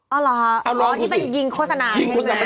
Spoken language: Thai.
เอาเหรอฮะที่เป็นยิงโฆษณาใช่ไหม